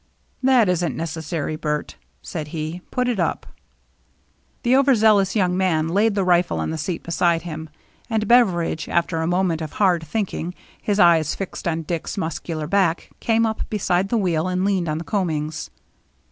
"That isn't neces sary, Bert," said he. " Put it up." The overzealous young man laid the rifle on the seat behind him ; and Beveridge, after a moment of hard thinking, his eyes fixed on Dick's muscular back, came up beside the wheel and leaned on the coamings.